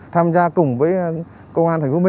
tham gia cùng với công an tp hcm